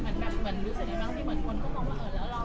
ที่มันก็มาเอิญแล้ว